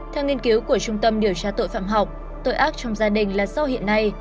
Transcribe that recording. theo nghiên cứu của trung tâm điều tra tội phạm học tội ác trong gia đình là do hiện nay